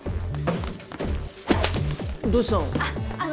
どうしたの？